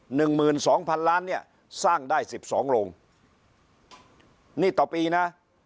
หนึ่งหมื่นสองพันล้านเนี่ยสร้างได้สิบสองโรงนี่ต่อปีนะ